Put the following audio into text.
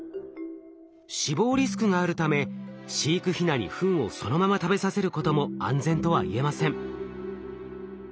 死亡リスクがあるため飼育ヒナにフンをそのまま食べさせることも安全とはいえません。